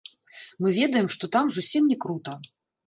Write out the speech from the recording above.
Мы ведаем, што там зусім не крута.